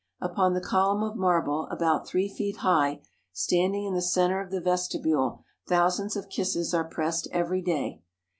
Upon the column of marble about three feet high, standing in the centre of the vestibule, thousands of kisses are pressed every day.